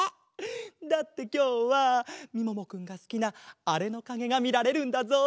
だってきょうはみももくんがすきなあれのかげがみられるんだぞ。